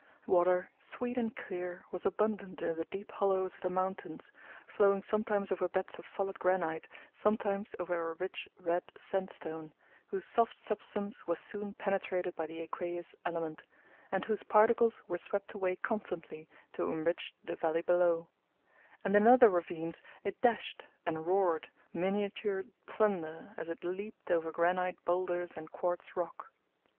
Water, sweet and clear, was abundant in the deep hollows of the mountains, flowing sometimes over beds of solid granite, sometimes over a rich red sandstone, whose soft substance was soon penetrated by the aqueous element, and whose particles were swept away constantly to enrich the valley below; and in other ravines it dashed, and roared, miniature thunder, as it leaped over granite boulders and quartz rock.